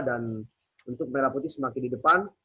dan untuk merah putih semakin di depan